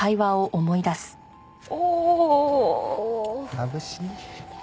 まぶしい！